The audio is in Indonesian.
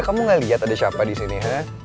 kamu gak lihat ada siapa di sini ya